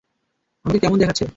আমাকে কেমন দেখাচ্ছে?